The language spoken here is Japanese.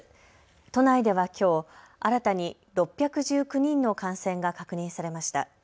都内ではきょう新たに６１９人の感染が確認されました。